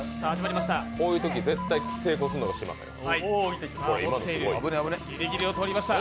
こういうとき絶対成功するのが嶋佐なんで。